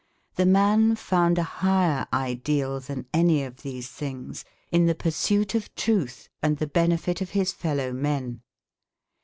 The man found a higher ideal than any of these things in the pursuit of truth and the benefit of his fellow men.